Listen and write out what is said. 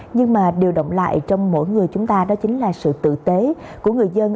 nhưng mà điều động lại trong mỗi người chúng ta đó chính là sự tử tế của người dân